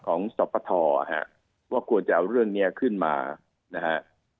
ของสปทว่าควรจะเอาเรื่องนี้ขึ้นมานะฮะ